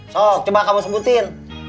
sok coba kamu sebutin